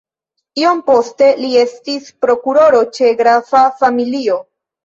Iom poste li estis prokuroro ĉe grafa familio.